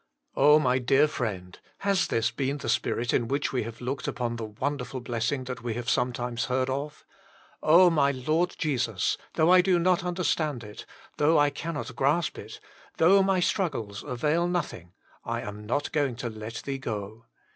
Oh I my dear friend, has this been the spirit in which we have looked upon the wonderful blessing that we have sometimes heard of ?<* Oh ! my Lord Jesus, though I do not understand it, though I cannot grasp it, though my struggles avail nothing, I am not go ing to let Thee go.